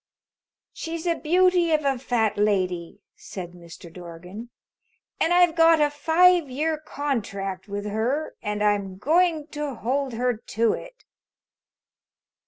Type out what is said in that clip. "She's a beauty of a Fat Lady," said Mr. Dorgan, "and I've got a five year contract with her and I'm going to hold her to it."